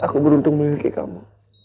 aku beruntung menilai kamu